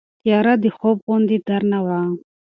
تیاره د خوب غوندې درنه وه.